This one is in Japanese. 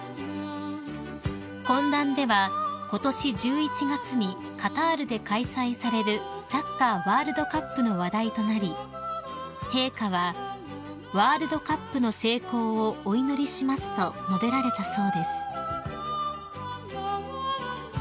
［懇談ではことし１１月にカタールで開催されるサッカーワールドカップの話題となり陛下は「ワールドカップの成功をお祈りします」と述べられたそうです］